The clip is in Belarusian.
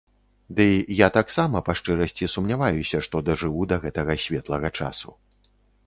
Дый я таксама, па шчырасці, сумняваюся, што дажыву да гэтага светлага часу.